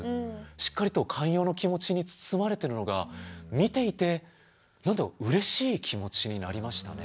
しっかりと寛容の気持ちに包まれてるのが見ていてうれしい気持ちになりましたね。